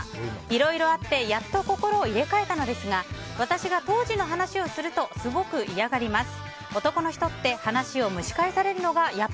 いろいろあってやっと心を入れ替えたのですが私が当時の話をするとすごく嫌がります。